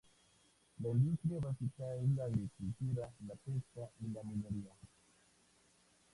La industria básica es la agricultura, la pesca y la minería.